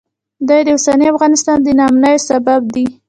دوی د اوسني افغانستان د ناامنیو سبب دي